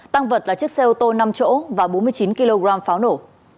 tăng vật là chiếc xe ô tô năm chỗ và bốn mươi chín kg pháo nổ